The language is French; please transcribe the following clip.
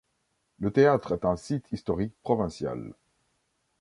Le théâtre est un site historique provincial.